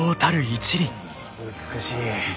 美しい。